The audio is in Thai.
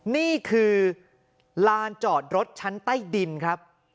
นี่คือลานจอดรถชั้นใต้ดินครับ